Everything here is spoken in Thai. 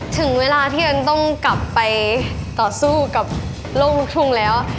ถึงเวลาที่เอ็นต้องกลับไปต่อสู้กับโลกลูกทุ่งแล้ว